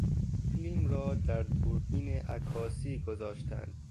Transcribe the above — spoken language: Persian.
فیلم را در دوربین عکاسی گذاشتن